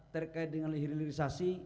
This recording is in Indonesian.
terkait dengan lehirlisasi